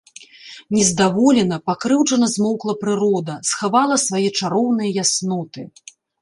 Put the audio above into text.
Нездаволена, пакрыўджана змоўкла прырода, схавала свае чароўныя ясноты.